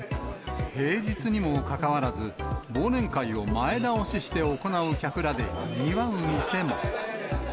平日にもかかわらず、忘年会を前倒しして行う客らでにぎわう店も。